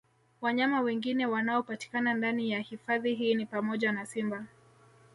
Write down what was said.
Wanyama wengine wanaopatikana ndani ya hifadhi hii ni pamoja na Simba